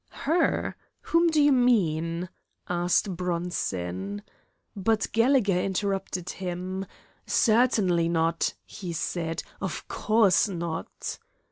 "Her? Whom do you mean?" asked Bronson. But Gallegher interrupted him. "Certainly not," he said. "Of course not."